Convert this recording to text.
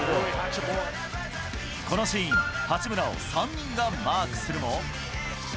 このシーン、八村を３人がマークするも。